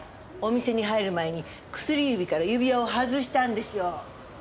お店に入る前に薬指から指輪を外したんでしょう？